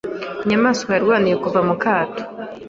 Inyamaswa yarwaniye kuva mu kato.